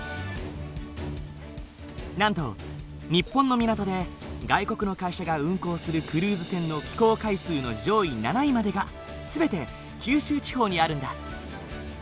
なんと日本の港で外国の会社が運航するクルーズ船の寄港回数の上位７位までが全て九州地方にあるんだ。